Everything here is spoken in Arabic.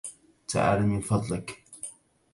تعال من فضلك